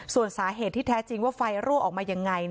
ส่วนสาเหตุที่แท้จริงว่าไฟรั่วออกมายังไง